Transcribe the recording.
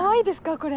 これ。